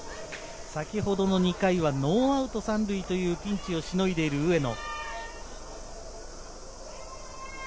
先ほどの２回はノーアウト３塁というピンチをしのいでいる上野。